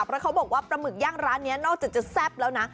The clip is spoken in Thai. เพราะเขาบอกว่าปลาหมึกย่างร้านนี้นอกจากจะแซ่บแล้วนะ